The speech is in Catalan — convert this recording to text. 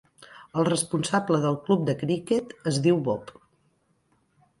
El responsable del club de criquet es diu Bob